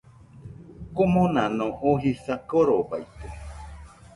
Komonano oo jisa korobaite